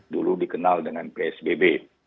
dulu dikenal dengan psbb